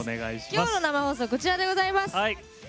今日の生放送こちらでございます。